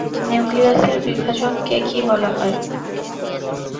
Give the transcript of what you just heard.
নিউক্লিয়াসের বিভাজনকে কী বলা হয়?